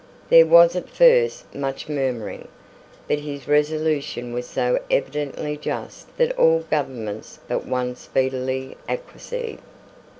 There was at first much murmuring; but his resolution was so evidently just that all governments but one speedily acquiesced.